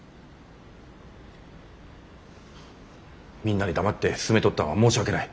みんなに黙って進めとったんは申し訳ない。